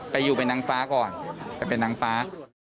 ไปอยู่เป็นนางฟ้าก่อนไปเป็นนางฟ้า